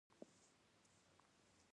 محمد ابراهیم سپېڅلي تیلفون را وکړ.